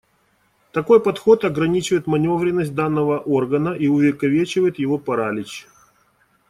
Такой подход ограничивает манёвренность данного органа и увековечивает его паралич.